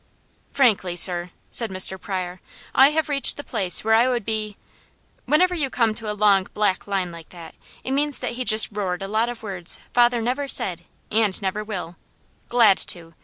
"Frankly sir," said Mr. Pryor, "I have reached the place where I would be " whenever you come to a long black line like that, it means that he just roared a lot of words father never said, and never will "glad to!